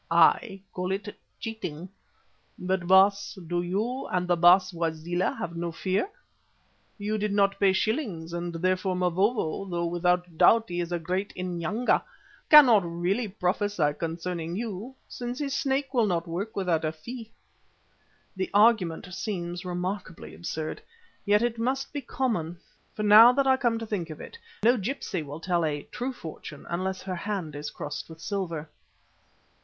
I call it cheating. But, Baas, do you and the Baas Wazela have no fear. You did not pay shillings, and therefore Mavovo, though without doubt he is a great Inyanga, cannot really prophesy concerning you, since his Snake will not work without a fee." The argument seems remarkably absurd. Yet it must be common, for now that I come to think of it, no gipsy will tell a "true fortune" unless her hand is crossed with silver.